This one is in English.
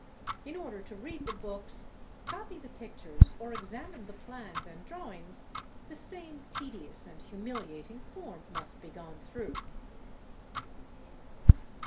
In order to read the books, copy the pictures, or examine the plans and drawings, the same tedious and humiliating form must be gone through.